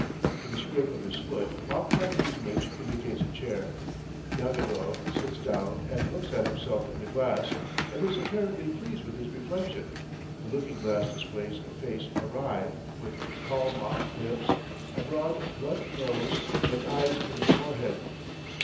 With a scrape of his foot Makar Kuzmitch indicates a chair. Yagodov sits down and looks at himself in the glass and is apparently pleased with his reflection: the looking glass displays a face awry, with Kalmuck lips, a broad, blunt nose, and eyes in the forehead.